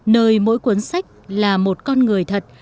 nơi mỗi cuốn sách là một con người thật